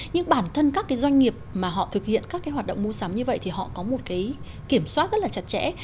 nhưng bản thân các cái doanh nghiệp mà họ thực hiện các cái hoạt động mua sắm như vậy thì họ có một cái kiểm soát rất là chặt chẽ